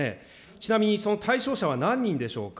ちなみにその対象者は何人でしょうか。